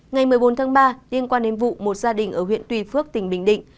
ngày một mươi bốn tháng ba liên quan đến vụ một gia đình ở huyện tùy phước tỉnh bình định